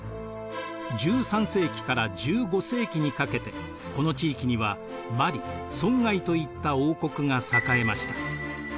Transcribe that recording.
１３世紀から１５世紀にかけてこの地域にはマリソンガイといった王国が栄えました。